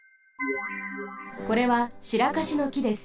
これはシラカシのきです。